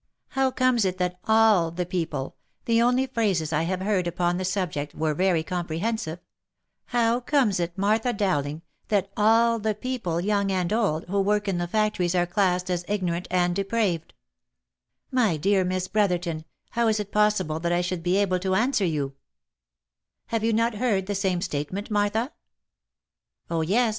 How comes it that all the people — the only phrases I have heard upon the subject were very comprehensive — how comes it, Martha Dowling, that all the people, young and old, who work in the factories are classed as ignorant and depraved V 11 My dear Miss Brotherton, how is it possible that I should be able to answer you V " Have you not heard the same statement, Martha V " Oh, yes